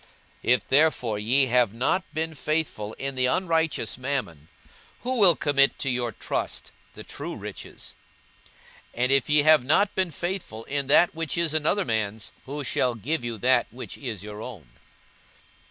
42:016:011 If therefore ye have not been faithful in the unrighteous mammon, who will commit to your trust the true riches? 42:016:012 And if ye have not been faithful in that which is another man's, who shall give you that which is your own?